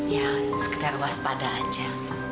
ya sekedar waspada aja